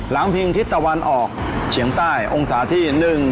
พิงทิศตะวันออกเฉียงใต้องศาที่๑